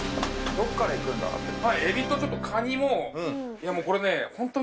どっからいくんだろう。